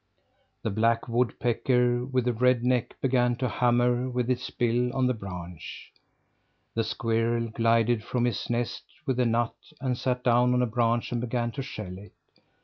The black woodpecker, with the red neck, began to hammer with its bill on the branch. The squirrel glided from his nest with a nut, and sat down on a branch and began to shell it.